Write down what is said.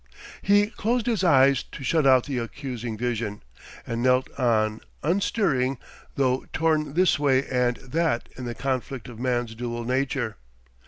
He closed his eyes to shut out the accusing vision, and knelt on, unstirring, though torn this way and that in the conflict of man's dual nature.